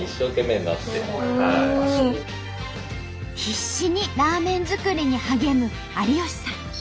必死にラーメン作りに励む有吉さん。